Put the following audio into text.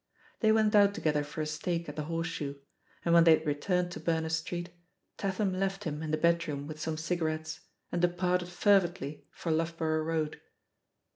They went out together for a steak at the Horseshoe; and when they had returned to Berners Street, Tatham left him in the bedroom THE POSITION OF PEGGY HARPER 1»9 with some cigarettes, and departed fervidly for Loughborough Road.